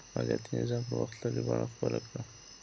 مالیاتي نظام پرمختللې بڼه خپله کړه.